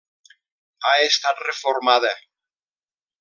Ha estat reformada.